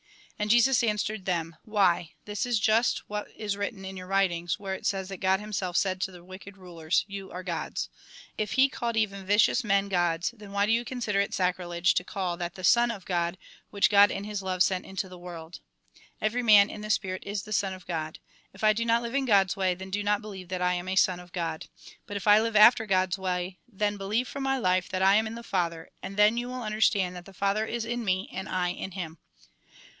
And Jesus answered them: "Why, this is just what is written in your writings, where it says that God Himself said to the wicked rulers :' You are gods.' If He called even vicious men gods, then why do you consider it sacrilege to call that the son of God, which God in His love sent into the world ? Every man in the spirit is the son of God. If I do not live in God's way, then do not Jn. / AND THE FATHER ARE ONE X. 38. xvi. 13. 17. believe that I am a son of God. But if I live after God's way, then believe from my life that I am in the Father, and then you will understand that the Father is in me and I in Him."